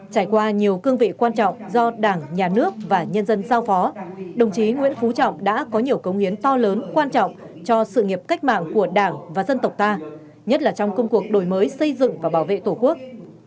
trải qua nhiều cương vị quan trọng do đảng nhà nước và nhân dân giao phó đồng chí nguyễn phú trọng đã có nhiều công hiến to lớn quan trọng cho sự nghiệp cách mạng của đảng và dân tộc ta nhất là trong công cuộc đổi mới xây dựng và bảo vệ tổ quốc